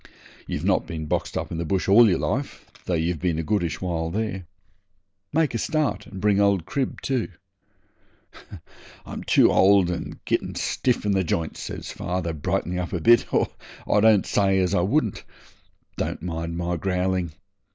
You've not been boxed up in the bush all your life, though you've been a goodish while there. Make a start, and bring old Crib too.' 'I'm too old and getting stiff in the j'ints,' says dad, brightening up a bit, 'or I don't say as I wouldn't. Don't mind my growling.